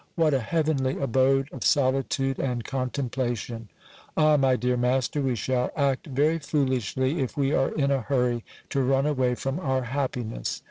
What a heavenly abode of solitude and contemplation ! Ah ! my dear master, we shall a;t very foolishly if we are in a hurry to run away from our happiness.